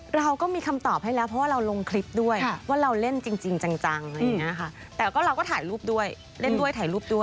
เราก็มีคำถอบให้แล้วเพราะว่าเราลงคลิปด้วยว่าเราเล่นจริงจังแต่เราก็ถ่ายรูปด้วย